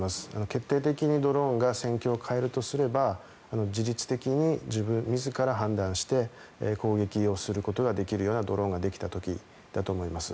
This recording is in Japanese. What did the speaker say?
決定的にドローンが戦況を変えるとすれば自律的に自ら判断して攻撃をすることができるようなドローンができた時だと思います。